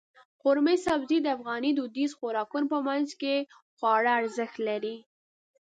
قورمه سبزي د افغاني دودیزو خوراکونو په منځ کې خورا ارزښت لري.